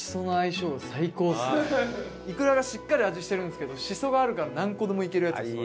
いくらがしっかり味してるんですけどシソがあるから何個でもいけるやつです